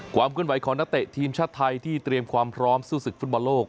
ความเคลื่อนไหวของนักเตะทีมชาติไทยที่เตรียมความพร้อมสู้ศึกฟุตบอลโลก